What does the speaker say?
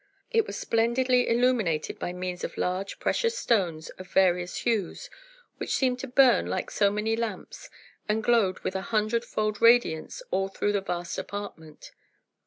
It was splendidly illuminated by means of large precious stones of various hues, which seemed to burn like so many lamps and glowed with a hundred fold radiance all through the vast apartment.